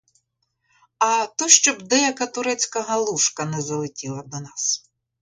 А то щоб деяка турецька галушка не залетіла до нас.